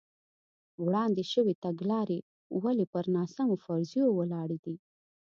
وړاندې شوې تګلارې ولې پر ناسمو فرضیو ولاړې دي.